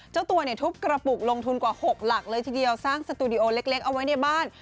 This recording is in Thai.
เจ้าตัวเนี่ยทุบกระปุกลงทุนกว่า๖หลักเลยทีเดียวสร้างสตูดิโอเล็กเอาไว้ในบ้าน